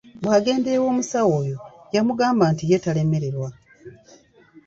Bwagenda ew’omusawo oyo yamugamba nti ye talemererwa.